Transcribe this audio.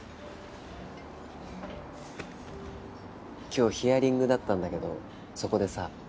今日ヒアリングだったんだけどそこでさ。